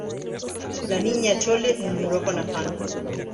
la Niña Chole murmuró con afán: